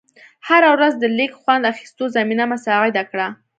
هره ورځ د لیږ خوند اخېستو زمینه مساعده کړه.